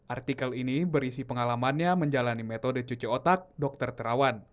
artikel ini berisi pengalamannya menjalani metode cuci otak dokter terawan